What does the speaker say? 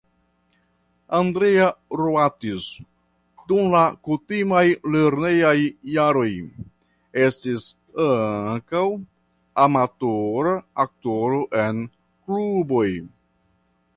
Andrea Roatis dum la kutimaj lernejaj jaroj estis ankaŭ amatora aktoro en kluboj.